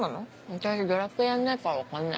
私『ドラクエ』やんないから分かんない。